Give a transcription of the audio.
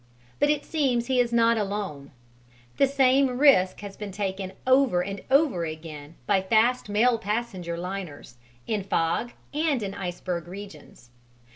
But it seems he is not alone: the same risk has been taken over and over again by fast mail passenger liners, in fog and in iceberg regions.